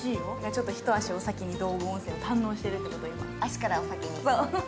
ちょっと一足お先に道後温泉を堪能しているということで足からお先に。